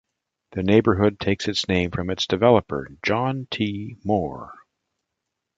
The neighbourhood takes its name from its developer, John T. Moore.